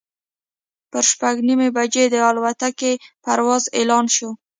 پر شپږ نیمې بجې د الوتکې پرواز اعلان شو.